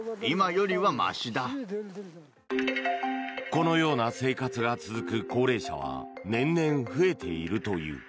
このような生活が続く高齢者は年々増えているという。